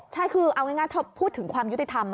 ใช่คือเอาง่ายพอพูดถึงความยุติธรรม